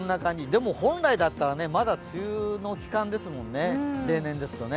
でも本来だったら、まだ梅雨の期間ですよね、例年ですと。